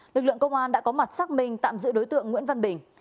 lực lượng công an đã có mặt xác minh tạm giữ đối tượng nguyễn văn bình